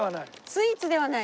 スイーツではない？